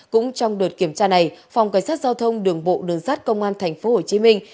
cũng trong đợt kiểm tra này phòng cảnh sát giao thông đường bộ đường sát công an thành phố hồ chí minh